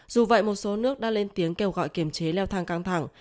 dù vậy một số nước đã lên tiếng kêu gọi kiềm chế leo thang căng thẳng